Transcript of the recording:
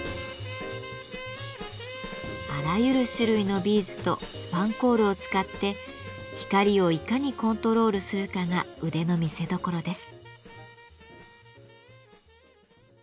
あらゆる種類のビーズとスパンコールを使って光をいかにコントロールするかが腕の見せどころです。